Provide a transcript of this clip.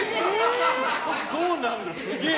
そうなんだ、すげえ！